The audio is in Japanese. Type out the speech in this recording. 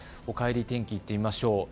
おかえり天気、いってみましょう。